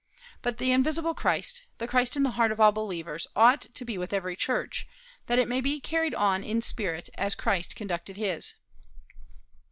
But the invisible Christ, the Christ in the heart of all believers, ought to be with every church, that it may be carried on in spirit as Christ conducted his.